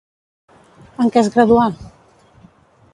En què es graduà?